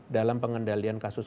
dalam pengendalian kasus